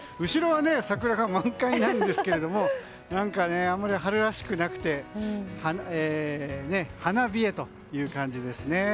後ろは桜が満開なんですけれど何か、あまり春らしくなくて花冷えという感じですね。